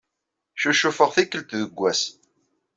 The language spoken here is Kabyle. Ccucufeɣ tikkelt deg wass.